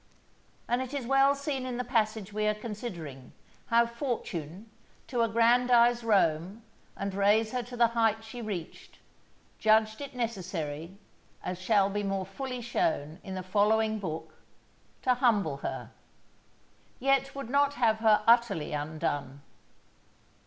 And it is well seen in the passage we are considering, how Fortune, to aggrandize Rome, and raise her to the height she reached, judged it necessary, as shall be more fully shown in the following Book, to humble her; yet would not have her utterly undone.